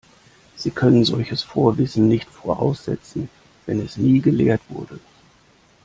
Sie können solches Vorwissen nicht voraussetzen, wenn es nie gelehrt wurde.